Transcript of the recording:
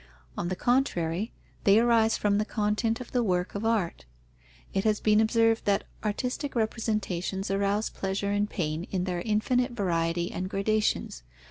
On the contrary, they arise from the content of the work of art. It has been observed that "artistic representations arouse pleasure and pain in their infinite variety and gradations.